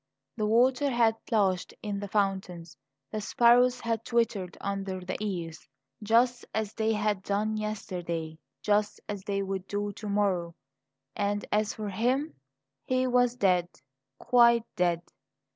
The water had plashed in the fountains; the sparrows had twittered under the eaves; just as they had done yesterday, just as they would do to morrow. And as for him, he was dead quite dead.